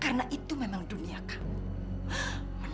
karena itu memang dunia kamu